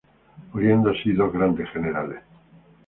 Muriendo así dos grandes generales.